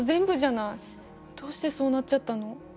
どうしてそうなっちゃったの？